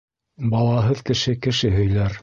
Балаһыҙ кеше кеше һөйләр